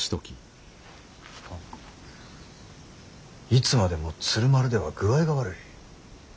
いつまでも鶴丸では具合が悪い。